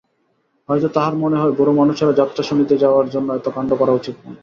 হয়তো তাহার মনে হয় বুড়োমানুষের যাত্রা শুনিতে যাওয়ার জন্য এত কান্ড করা উচিত নয়।